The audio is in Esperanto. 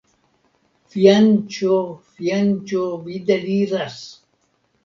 Fianĉo, fianĉo, vi deliras!